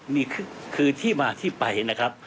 นี่คือที่มาที่ไปนะครับ